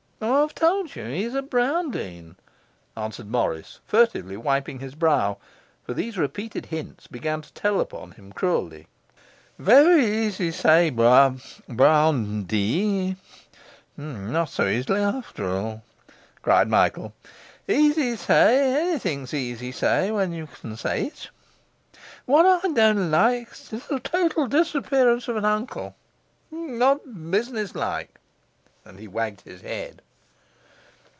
'I have told you: he is at Browndean,' answered Morris, furtively wiping his brow, for these repeated hints began to tell upon him cruelly. 'Very easy say Brown Browndee no' so easy after all!' cried Michael. 'Easy say; anything's easy say, when you can say it. What I don' like's total disappearance of an uncle. Not businesslike.' And he wagged his head.